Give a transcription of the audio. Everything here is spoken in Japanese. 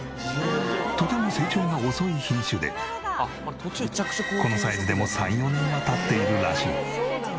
とても成長が遅い品種でこのサイズでも３４年は経っているらしい。